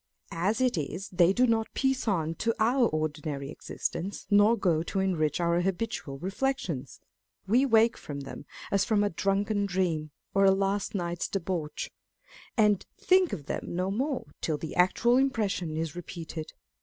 As it is, they do not piece on to our ordinary existence, nor go to enrich our habitual reflections. We wake from them as from a drunken dream, or a last night's debauch ; and think of them no more, till the actual impression is repeated.